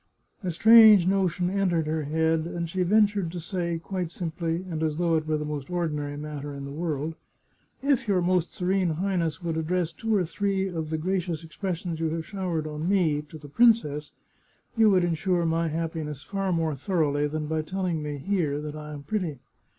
A strange no tion entered her head, and she ventured to say, quite simply, and as though it were the most ordinary matter in the world :" If your Most Serene Highness would address two or three of the gracious expressions you have showered on me to the princess, you would ensure my happiness far more thoroughly than by telling me, here, that I am pretty.